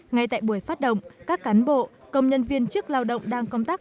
ngay tại buổi phát động các cán bộ công nhân viên chức lao động đang công tác